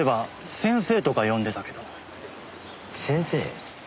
先生？